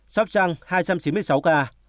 sóc trăng hai trăm chín mươi sáu ca